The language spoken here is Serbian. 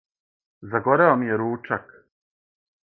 Загорео ми је ручак.